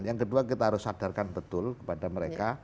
yang kedua kita harus sadarkan betul kepada mereka